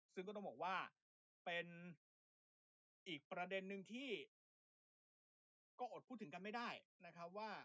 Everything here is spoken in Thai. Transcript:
ซึ่งก็ต้องบอกว่าเป็นอีกประเด็นนึงที่ก็อดพูดถึงกันไม่ได้นะครับว่า